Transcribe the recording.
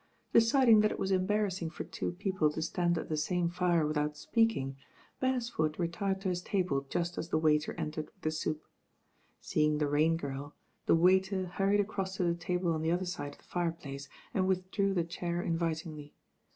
Deciding that it was embarrassing for two peo ple to stand at the same fire without speaking, Beresford retired to his table just as the waiter en tered with the soup. Seeing the Rain Girl, the waiter hurried across to the table on the other side of the fireplace and withdrew the chair invitingly.